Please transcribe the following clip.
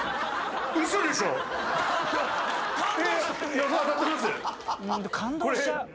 予想当たってます？